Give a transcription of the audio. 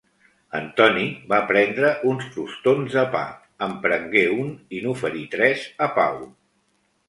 Antoni va prendre uns crostons de pa, en prengué un i n'oferí tres a Pau.